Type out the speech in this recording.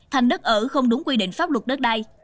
thành đất ở không đúng quy định pháp luật đất đai